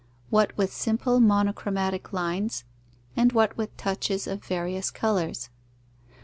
What with simple monochromatic lines, and what with touches of various colours?